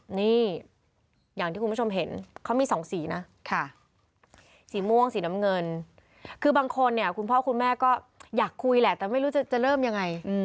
นี่อย่างที่คุณผู้ชมเห็นเขามีสองสีนะสีม่วงสีน้ำเงินคือบางคนเนี่ยคุณพ่อคุณแม่ก็อยากคุยแหละแต่ไม่รู้จะเริ่มยังไง